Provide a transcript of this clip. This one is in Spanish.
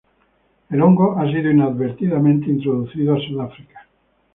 El hongo ha sido inadvertidamente introducido a Sudáfrica.